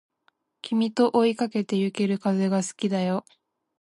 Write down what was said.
君と追いかけてゆける風が好きだよ